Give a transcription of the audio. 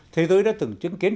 thế giới đã từng chứng kiến